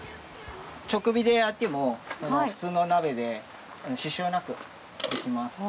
直火で焼いても普通の鍋で支障なくできます。